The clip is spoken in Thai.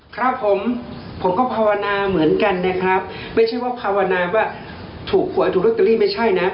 ครับผมผมก็ภาวนาเหมือนกันนะครับไม่ใช่ว่าภาวนาว่าถูกหวยถูกลอตเตอรี่ไม่ใช่นะ